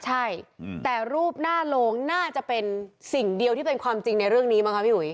ใช่แต่รูปหน้าโลงน่าจะเป็นสิ่งเดียวที่เป็นความจริงในเรื่องนี้มั้งคะพี่หุย